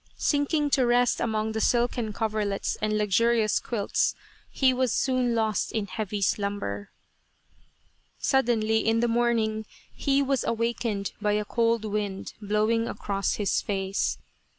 Sinking to rest among the silken cover 248 A Cherry Flower Idyll lets and luxurious quilts, he was soon lost in heavy slumber. Suddenly, in the morning, he was awakened by a cold wind blowing across his face.